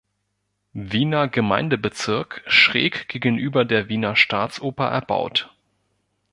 Wiener Gemeindebezirk schräg gegenüber der Wiener Staatsoper erbaut.